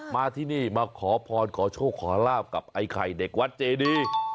มาที่นี่มาขอพรขอโชคขอลาบกับไอ้ไข่เด็กวัดเจดี